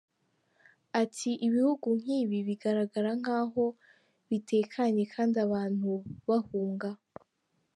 Ati “ Ibihugu nk’ibi bigaragara nk’aho bitekanye kandi abantu bahunga.”